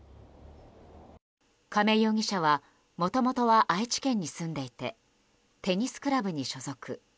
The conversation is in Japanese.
亀井容疑者はもともとは愛知県に住んでいてテニスクラブに所属。